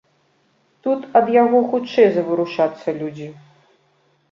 Тут ад яго хутчэй заварушацца людзі.